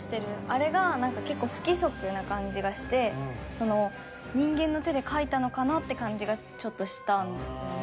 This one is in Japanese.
あれがなんか結構不規則な感じがしてその人間の手で描いたのかなって感じがちょっとしたんですよね。